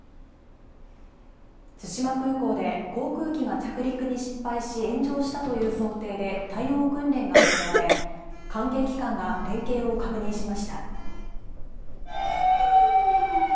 対馬空港で航空機が着陸に失敗し炎上したという想定で対応訓練が行われ関係機関が連携を確認しました。